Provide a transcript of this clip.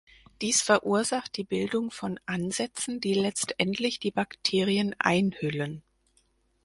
Dies verursacht die Bildung von Ansätzen, die letztendlich die Bakterien einhüllen.